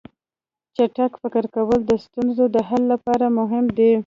چټک فکر کول د ستونزو د حل لپاره مهم دي.